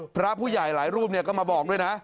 พระผู้ใหญ่หลายรูปก็มาบอกด้วยนะ